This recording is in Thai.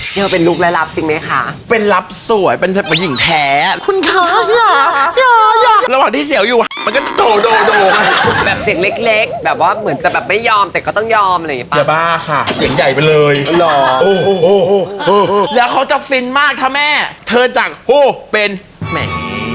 มีพี่คนหนึ่งเขารู้ว่าฉันจะมาสัมภาษณ์เธอเขาบอกว่าเธอจะฟินมากถ้าแม่เธอจังหูเป็นแม่